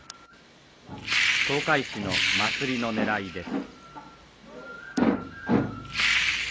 東海市の祭りのねらいです。